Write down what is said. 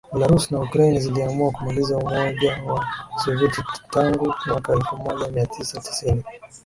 Belarus na Ukraine ziliamua kumaliza Umoja wa KisovyetiTangu mwaka elfu moja mia tisa tisini